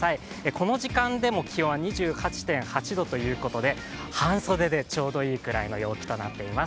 この時間でも気温は２８．８度ということで半袖でちょうどいいくらいの陽気となています。